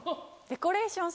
デコレーション？